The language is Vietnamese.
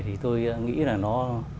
thì tôi nghĩ là nó